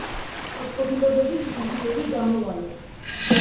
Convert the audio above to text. მოწყობილობების ინჟინერი გამოვალო.